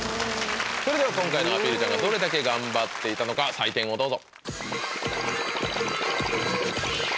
それでは今回のアピールちゃんがどれだけ頑張っていたのか採点をどうぞ！